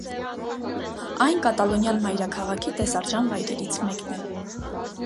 Այն կատալոնյան մայրաքաղաքի տեսարժան վայրերից մեկն է։